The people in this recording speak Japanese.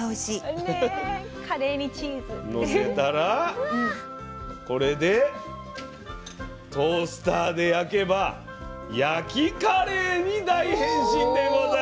のせたらこれでトースターで焼けば焼きカレーに大変身でございます！